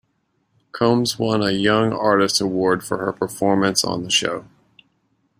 Combs won a Young Artist Award for her performance on the show.